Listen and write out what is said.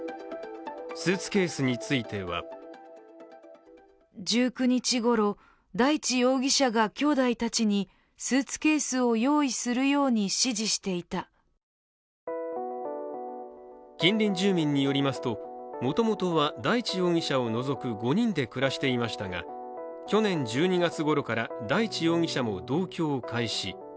スーツケースについては近隣住民によりますともともとは、大地容疑者を除く５人で暮らしていましたが、去年１２月ごろから大地容疑者も同居を開始。